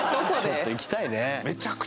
ちょっと行きたいね